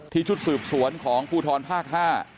ชุดสืบสวนของภูทรภาค๕